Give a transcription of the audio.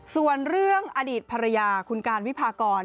ส่วนเรื่องอดีตภรรยาคุณการวิพากร